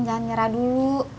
jangan nyerah dulu